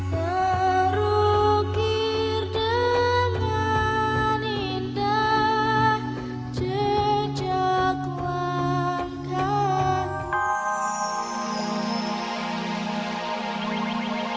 terukir dengan indah jejak wangkangmu